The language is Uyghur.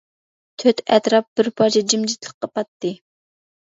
تۆت ئەتراپ بىر پارچە جىمجىتلىققا پاتتى.